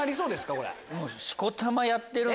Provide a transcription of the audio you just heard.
これ。